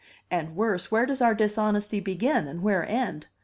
And worse, where does our dishonesty begin, and where end?